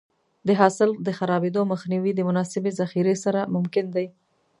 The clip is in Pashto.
د حاصل د خرابېدو مخنیوی د مناسبې ذخیرې سره ممکن دی.